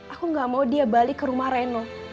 aku gak mau dia balik ke rumah reno